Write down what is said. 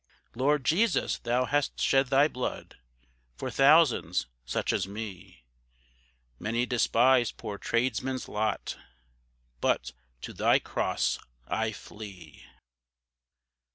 Lord, Jesus thou hast shed thy blood, For thousands such as me, Many despise poor Tradesmen's lot, But to thy cross I flee.